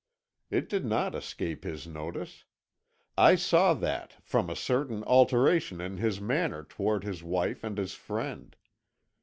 It did not escape his notice; I saw that, from a certain alteration in his manner toward his wife and his friend.